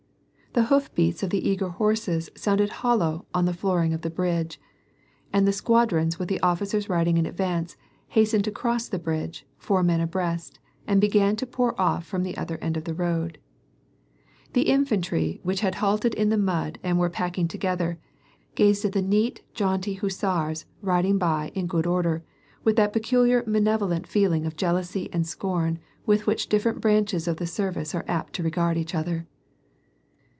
The hoof beats of the eager horses sounded hollow on the floor ing of the bridge, and the squadrons with the otticers riding in advance, hastened across the bridge, four men abreast, and began to pour off from the other end. The infantry, which had halted in the mud and were packed together, gazed at the neat jaunty hussars riding by in good order, with that peculiar malevolent feeling of jealousy and scorn with which different branches of the service are apt to regard each other.